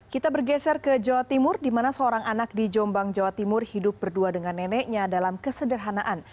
kita bergeser ke jawa timur di mana seorang anak di jombang jawa timur hidup berdua dengan neneknya dalam kesederhanaan